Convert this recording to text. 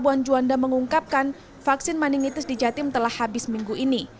pelabuhan juanda mengungkapkan vaksin meningitis di jatim telah habis minggu ini